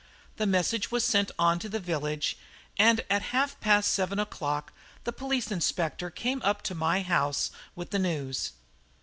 The message was sent on to the village, and at half past seven o'clock the police inspector came up to my house with the news.